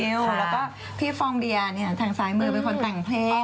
แล้วก็พี่ฟองเบียร์เนี่ยทางซ้ายมือเป็นคนแต่งเพลง